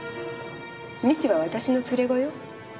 未知は私の連れ子よ。